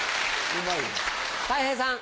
たい平さん。